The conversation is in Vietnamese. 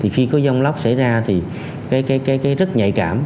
khi có dòng lốc xảy ra thì rất nhạy cảm